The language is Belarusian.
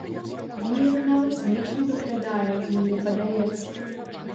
Неяк нават смешна выглядае, мне падаецца.